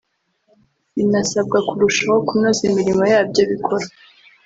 binasabwa kurushaho kunoza imirimo yabyo bikora